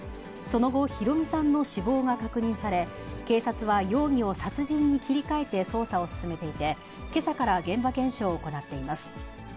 その後、弘美さんの死亡が確認され、警察は容疑を殺人に切り替えて捜査を進めていて、けさから現場検証を行っています。